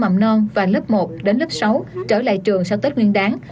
mầm non và lớp một đến lớp sáu trở lại trường sau tết nguyên đáng